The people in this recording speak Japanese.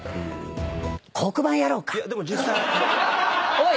おい！